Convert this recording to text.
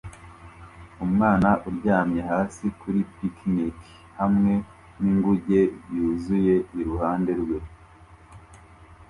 Umwana uryamye hasi kuri picnic hamwe ninguge yuzuye iruhande rwe